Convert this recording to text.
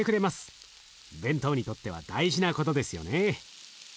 弁当にとっては大事なことですよね。